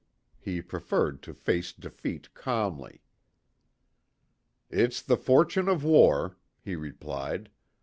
He preferred to face defeat calmly. "It's the fortune of war," he replied.